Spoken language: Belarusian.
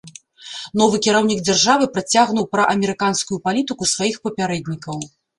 Новы кіраўнік дзяржавы працягнуў праамерыканскую палітыку сваіх папярэднікаў.